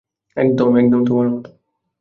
একদম, একদম তোমার মতো।